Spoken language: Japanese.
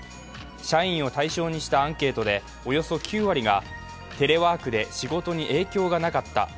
社員を対象にしたアンケートでおよそ９割がテレワークで仕事に影響がなかった。